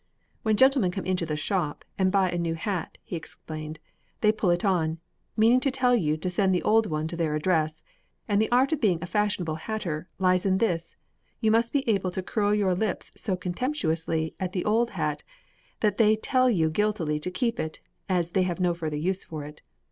When gentlemen come into the shop and buy a new hat, he explained, they put it on, meaning to tell you to send the old one to their address, and the art of being a fashionable hatter lies in this: you must be able to curl your lips so contemptuously at the old hat that they tell you guiltily to keep it, as they have no further use for it.